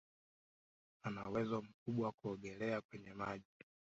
Ana uwezo mkubwa kuogelea kwenye maji